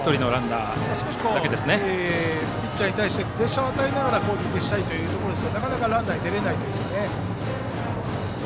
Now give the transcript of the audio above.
少しピッチャーに対してプレッシャーを与えながら攻撃したいというところですがなかなかランナー出れないというね。